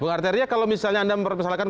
bung arteria kalau misalnya anda mempersalahkan